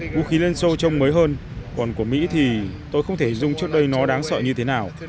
vũ khí liên xô trông mới hơn còn của mỹ thì tôi không thể hình dung trước đây nó đáng sợ như thế nào